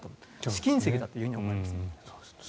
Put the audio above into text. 試金石だと思います。